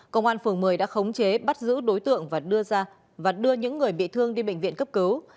công an phường một mươi đã khống chế bắt giữ đối tượng và đưa những người bị thương đi bệnh viện cấp cứu